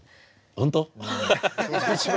本当？